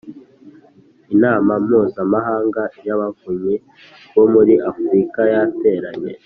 Inama mpuzamahanga y abavunyi bo muri Afurika yateranye